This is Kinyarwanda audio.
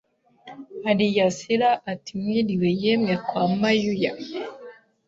ariyasira ati mwiliwe yemwe kwa Mayuya